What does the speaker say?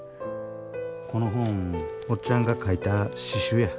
この本おっちゃんが書いた詩集や。